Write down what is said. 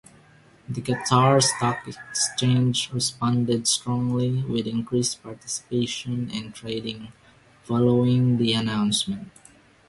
The Qatar Stock Exchange responded strongly with increased participation in trading following the announcement.